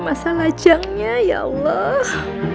masa lajangnya ya allah